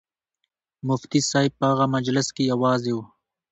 مفتي صاحب په هغه مجلس کې یوازې و.